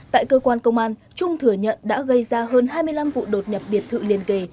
tại cơ quan công an trung thừa nhận đã gây ra hơn hai mươi năm vụ đột nhập biệt thự liền kề